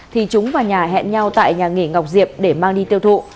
thì chúng và nhà hẹn nhau tại nhà nghỉ ngọc diệp để mang đi tiêu thụ